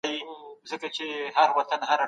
باور په ټولنه کي مهم اصل دی.